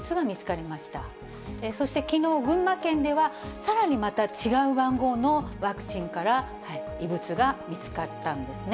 そしてきのう、群馬県ではさらにまた違う番号のワクチンから異物が見つかったんですね。